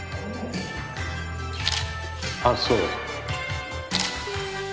あっそう。